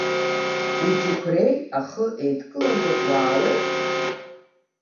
Уџьықәреи ахы еидкыланы уаауеит?